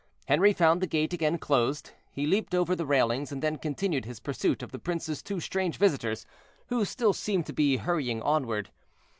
Henri found the gate again closed; he leaped over the railings, and then continued his pursuit of the prince's two strange visitors, who still seemed to be hurrying onward.